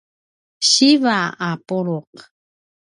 siva a puluq